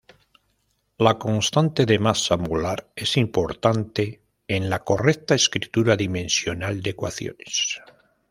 La constante de masa molar es importante en la correcta escritura dimensional de ecuaciones.